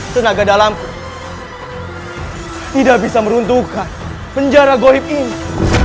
tenaga dalamku tidak bisa meruntuhkan penjara goy ini